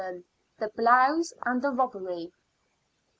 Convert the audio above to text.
THE BLOUSE AND THE ROBBERY.